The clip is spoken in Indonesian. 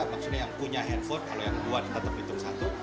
maksudnya yang punya handphone kalau yang dua tetap hitung satu